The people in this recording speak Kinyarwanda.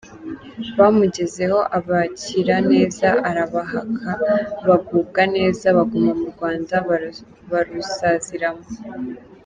Bamugezeho abakira neza arabahaka, bagubwa neza baguma mu Rwanda barusaziramo.